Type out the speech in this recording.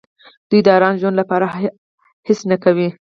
دوی د ارام ژوند لپاره هېڅ نه کوي.